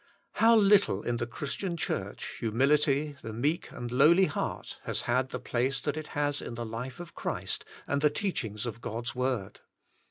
How little in the Christian Church, humility, the meek and lowly heart, has had the place that it has in the life of Christ and the teachings of God's "Word.